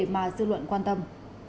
mà dư luận quan tâm